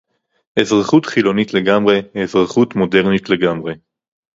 אזרחות חילונית לגמרי, אזרחות מודרנית לגמרי